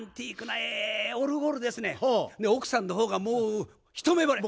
奥さんの方がもう一目ぼれ。